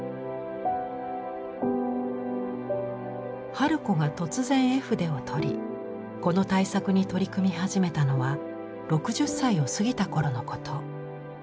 春子が突然絵筆をとりこの大作に取り組み始めたのは６０歳を過ぎた頃のこと。